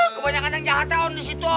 kebanyakan yang jahatnya on disitu